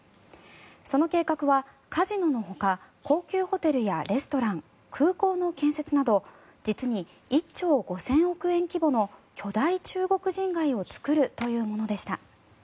その計画はカジノのほか高級ホテルやレストラン空港の建設など実に１兆５０００億円規模の巨大中国人街を作るというものでした。